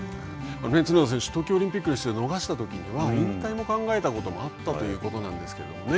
角田選手、東京オリンピックの出場を逃したときには、引退も考えたこともあったということなんですけどもね。